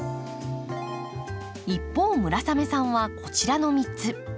一方村雨さんはこちらの３つ。